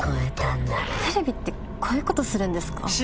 テレビってこういうことするんですか？